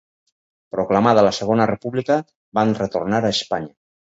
Proclamada la Segona República, van retornar a Espanya.